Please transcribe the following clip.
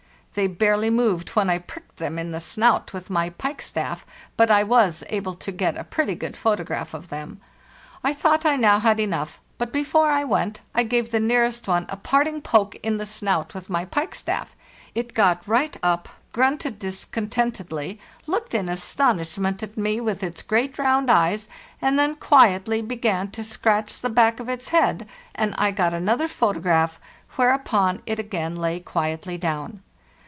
They barely moved when I pricked them in the snout with my pikestaff, but I was able to get a pretty good photograph of them. I thought I now had enough, but before I went I gave the nearest. one a parting poke in the snout with my pikestaff; it got right up, grunted discontentedly, looked in astonishment at me with its great round eyes, and then quietly be gan to scratch the back of its head, and I got another photograph, whereupon it again lay quietly down.